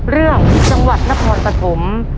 เรื่องจังหวัดนครปฐม